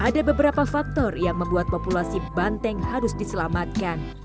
ada beberapa faktor yang membuat populasi banteng harus diselamatkan